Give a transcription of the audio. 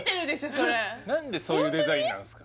それ何でそういうデザインなんすか？